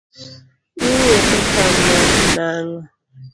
Iwuotho kama nang’o?